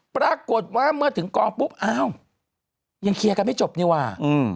ปรากฏว่าเมื่อถึงกองปุ๊บอ้าวยังเคลียร์กันไม่จบนี่ว่า